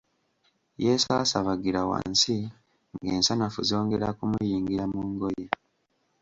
Yeesaasabagira wansi ng’ensanafu zongera kumuyingira mu ngoye.